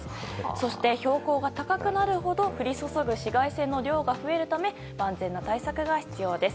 そして標高が高くなるほど降り注ぐ紫外線の量が増えるため万全な対策が必要です。